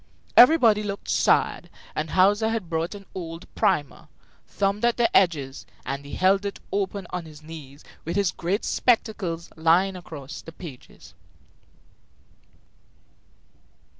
Everybody looked sad; and Hauser had brought an old primer, thumbed at the edges, and he held it open on his knees with his great spectacles lying across the pages.